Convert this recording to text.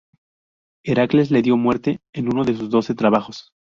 Heracles le dio muerte en uno de sus doce trabajos.